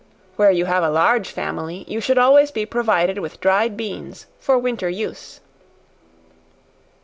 Where you have a large family, you should always be provided with dried beans for winter use.